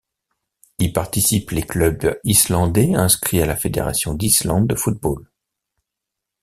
Y participe les clubs islandais inscrits à la fédération d'Islande de football.